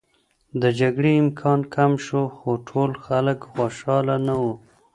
د جګړې امکان کم شو، خو ټول خلک خوشحاله نه و.